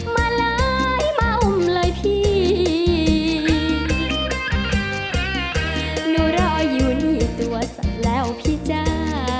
มาเลยมาอุ้มเลยพี่หนูรออยู่นี่ตัวสัตว์แล้วพี่จ้า